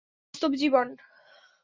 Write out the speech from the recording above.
একটা বাস্তব জীবন।